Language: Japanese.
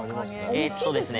えっとですね